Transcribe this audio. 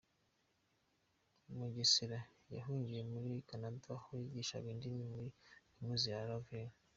Mugesera yahungiye muri Canada, aho yigishaga indimi muri Kaminuza ya Laval.